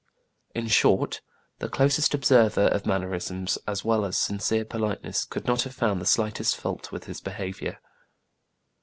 In short, the closest observer of mannerisms as well as sincere politeness could not have found the slightest fault with his behavior.